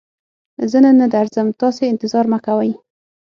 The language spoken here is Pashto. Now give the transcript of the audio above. زه نن نه درځم، تاسې انتظار مکوئ!